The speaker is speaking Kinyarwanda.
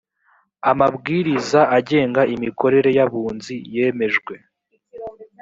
amabwiriza agenga imikorere yabunzi yemejwe